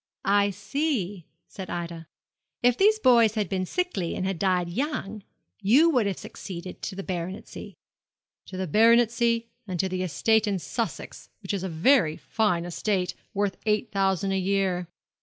'I see,' said Ida. 'If these boys had been sickly and had died young, you would have succeeded to the baronetcy.' 'To the baronetcy and to the estate in Sussex, which is a very fine estate, worth eight thousand a year.'